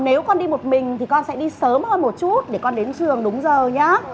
nếu con đi một mình thì con sẽ đi sớm hơn một chút để con đến trường đúng giờ nhé